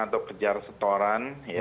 atau kejar setoran